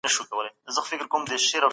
تاسي په خپلو منځونو کي په پښتو خبري کوئ